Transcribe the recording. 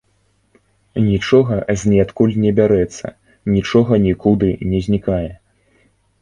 Нічога з неадкуль не бярэцца, нічога нікуды не знікае.